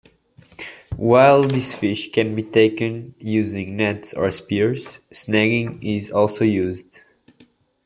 While these fish can be taken using nets or spears, snagging is also used.